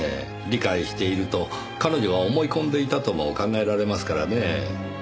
理解していると彼女が思い込んでいたとも考えられますからねぇ。